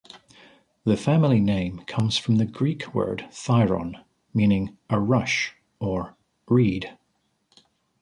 The family name comes from the Greek word "thryon", meaning a "rush" or "reed".